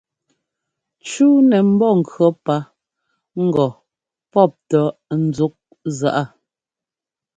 Cú nɛ mbɔ́ŋkʉɔ́ pá ŋgɔ pɔ́p tɔ́ ńzúk zaꞌa.